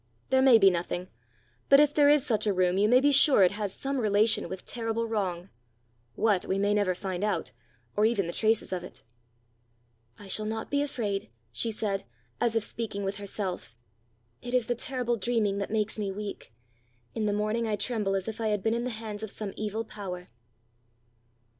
"There may be nothing. But if there is such a room, you may be sure it has some relation with terrible wrong what, we may never find out, or even the traces of it." "I shall not be afraid," she said, as if speaking with herself. "It is the terrible dreaming that makes me weak. In the morning I tremble as if I had been in the hands of some evil power."